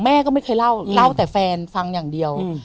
แม่ก็ไม่เคยเล่าเล่าแต่แฟนฟังอย่างเดียว